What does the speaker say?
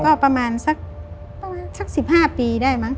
ก็ประมาณสัก๑๕ปีได้มั้ง